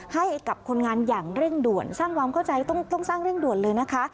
ให้กับคนงานอย่างเร่งด่วนสร้างความเข้าใจต้องสร้างเร่งด่วนเลยนะคะ